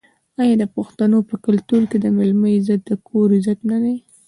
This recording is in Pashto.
آیا د پښتنو په کلتور کې د میلمه عزت د کور عزت نه دی؟